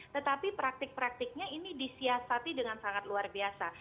tetapi praktik praktiknya ini disiasati dengan sangat luar biasa